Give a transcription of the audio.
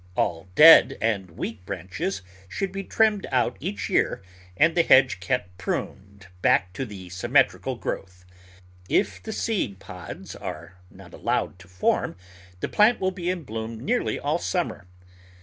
All dead and weak branches should be trimmed out each year and the hedge kept pruned back to symmetrical growth. If the seed pods are not allowed to form the plant will be in bloom nearly all summer.